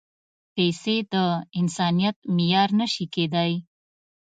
پېسې د انسانیت معیار نه شي کېدای.